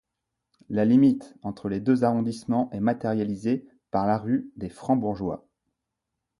La limite entre les deux arrondissements est matérialisée par la rue des Francs-Bourgeois.